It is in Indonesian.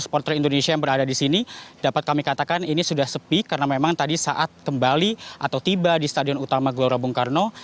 supporter indonesia yang berada di sini dapat kami katakan ini sudah sepi karena memang tadi saat kembali atau tiba di stadion utama gelora bung karno